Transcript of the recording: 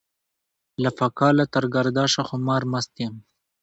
له فکله تر ګردشه خمار مست يم.